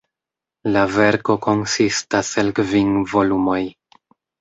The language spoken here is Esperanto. La verko konsistas el kvin volumoj.